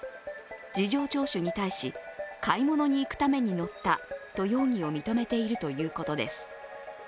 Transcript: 事情聴取に対し、買い物に行くために乗ったと容疑を認めているということです。